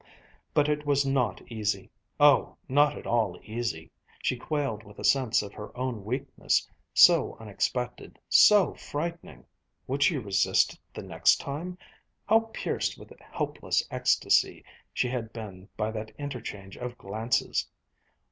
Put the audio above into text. But it was not easy! Oh, not at all easy! She quailed with a sense of her own weakness, so unexpected, so frightening. Would she resist it the next time? How pierced with helpless ecstasy she had been by that interchange of glances!